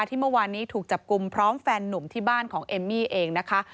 ที่เมื่อวานนี้ถูกจับกลุ่มพร้อมแฟนหนุ่มที่บ้านของเอมมี่เองนะคะ